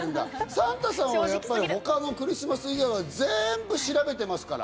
サンタさんは他のクリスマス以外は全部調べてますから。